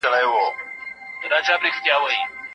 شاه محمود د یزد له لارې اصفهان ته ورسېد.